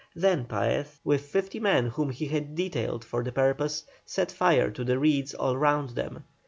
Then Paez, with fifty men whom he had detailed for the purpose, set fire to the reeds all round them.